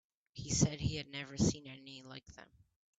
He said he had never seen any like them.